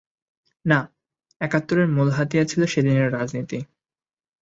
না, একাত্তরের মূল হাতিয়ার ছিল সেদিনের রাজনীতি।